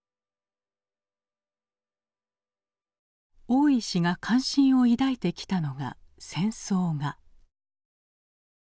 大石が関心を抱いてきたのが「戦争画」。